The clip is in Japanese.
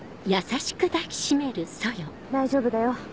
大丈夫だよ